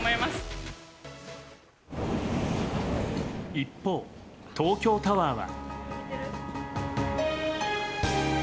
一方、東京タワーは。